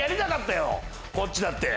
こっちだって。